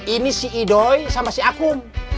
ini si idoy sama si akum